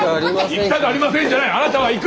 「行きたくありません」じゃない！